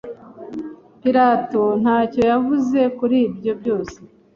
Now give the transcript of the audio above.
Pirato ntacyo yavuze kuri ibyo byose